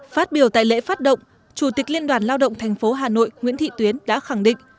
phát biểu tại lễ phát động chủ tịch liên đoàn lao động tp hà nội nguyễn thị tuyến đã khẳng định